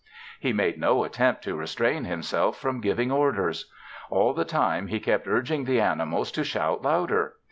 He made no attempt to restrain himself from giving orders. All the time he kept urging the animals to shout louder.